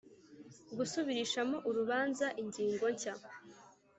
gusubirishamo urubanza ingingo nshya